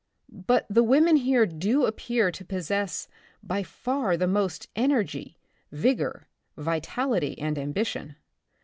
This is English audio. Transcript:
But the women here do appear to possess by far the most energy, vigor, vitality and ambition.